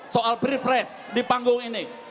soal pilpres di panggung ini